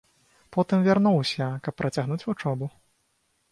Потым вярнуўся, каб працягнуць вучобу.